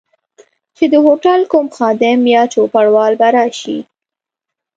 چي د هوټل کوم خادم یا چوپړوال به راشي.